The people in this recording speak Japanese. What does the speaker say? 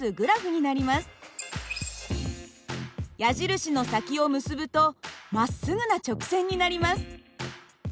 矢印の先を結ぶとまっすぐな直線になります。